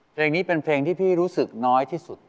เพลงนี้เป็นเพลงที่พี่รู้สึกน้อยที่สุด